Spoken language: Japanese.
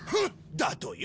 だとよ。